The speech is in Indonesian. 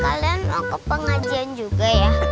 kalian mau ke pengajian juga ya